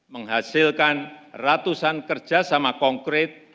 menghasilkan ratusan kerja sama konkret